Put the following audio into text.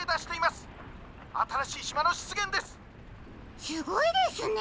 すごいですね！